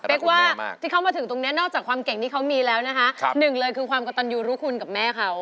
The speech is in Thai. กว่าที่เขามาถึงตรงนี้นอกจากความเก่งที่เขามีแล้วนะคะหนึ่งเลยคือความกระตันยูรุคุณกับแม่เขา